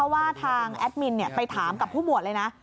ว่าทางแอดมินไปถามกับผู้หมวดเลยนะ